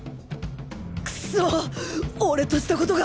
クソッ俺としたコトが